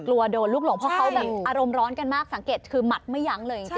กลัวโดนลูกหลงเพราะเขาแบบอารมณ์ร้อนกันมากสังเกตคือหมัดไม่ยั้งเลยจริง